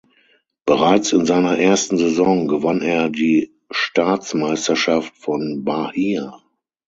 Bereits in seiner ersten Saison gewann er die Staatsmeisterschaft von Bahia.